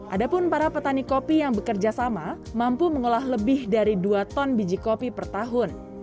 ada pun para petani kopi yang bekerja sama mampu mengolah lebih dari dua ton biji kopi per tahun